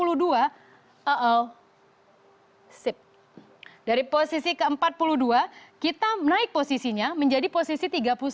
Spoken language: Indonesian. uh oh sip dari posisi ke empat puluh dua kita naik posisinya menjadi posisi tiga puluh sembilan